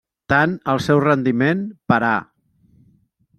Tant el seu rendiment per Ha.